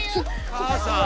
母さん！